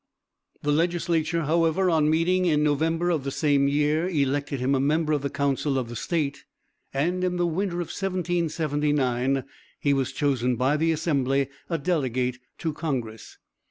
The legislature, however, on meeting in November of the same year, elected him a member of the council of the State; and in the winter of 1779 he was chosen by the assembly a delegate to congress.